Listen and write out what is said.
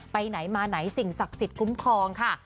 ไปไหนมาไหนสิ่งศักดิ์สิทธิ์คุ้มครองค่ะ